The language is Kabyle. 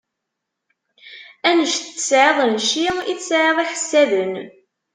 Anect tesɛiḍ n cci, i tesɛiḍ iḥessaden.